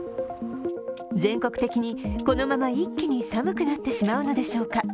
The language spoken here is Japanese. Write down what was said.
全国的にこのまま一気に寒くなってしまうのでしょうか。